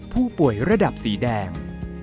ผู้ป่วยระดับสีแดง